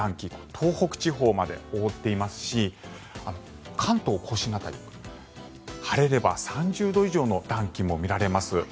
東北地方まで覆っていますし関東・甲信の辺り晴れれば３０度以上の暖気も見られます。